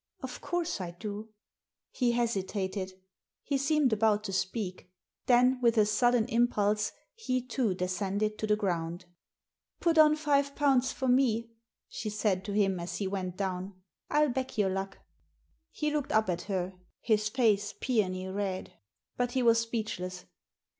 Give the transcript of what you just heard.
"Of course I do." He hesitated. He seemed about to speak. Then, with a sudden impulse, he too descended to the ground. " Put on five pounds for me," she said to him as he went down. " I'll back your luck." He looked up at her, his face peony red. But he was speechless.